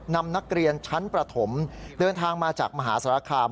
นำนักเรียนชั้นประถมเดินทางมาจากมหาสารคาม